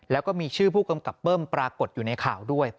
แล้วก็มีชื่อผู้กำกับเบิ้มปรากฏอยู่ในข่าวด้วย